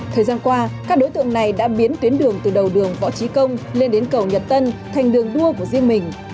thời gian qua các đối tượng này đã biến tuyến đường từ đầu đường võ trí công lên đến cầu nhật tân thành đường đua của riêng mình